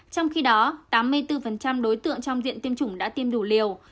trong khi đó tám mươi bốn đối tượng trong diện tiêm chủng đã tiêm đủ liều